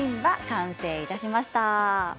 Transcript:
完成いたしました。